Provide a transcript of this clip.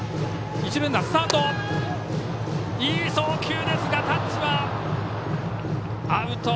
いい送球ですがタッチはアウト。